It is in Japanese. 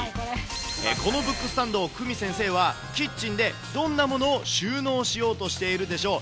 このブックスタンド、久美先生は、キッチンでどんなものを収納しようとしているでしょう。